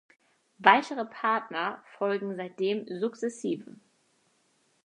Weitere Partner folgen seitdem sukzessive.